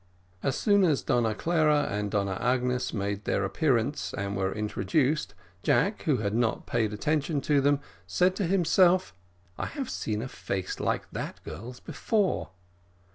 As soon as Donna Clara and Donna Agnes made their appearance and were introduced, Jack, who had not before paid attention to them, said to himself, "I have seen a face like that girl's before."